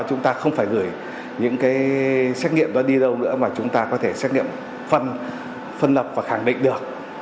chúng ta không phải gửi những cái xét nghiệm đó đi đâu nữa mà chúng ta có thể xét nghiệm phân lập và khẳng định được